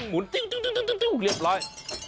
ไม่งั้นหมุนเรียบร้อย